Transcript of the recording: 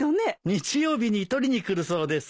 日曜日に取りに来るそうです。